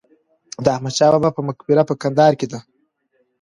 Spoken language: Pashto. د احمدشاه بابا په مقبره په کندهار کې ده.